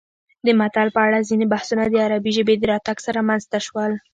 د متل په اړه ځینې بحثونه د عربي ژبې د راتګ سره رامنځته شول